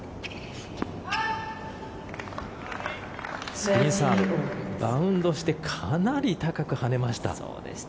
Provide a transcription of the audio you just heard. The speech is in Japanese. スピンサーブバウンドしてかなり高く跳ねました。